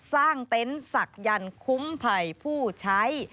สร้างเต็นต์สักยันคุ้มไผ่ผู้ใช้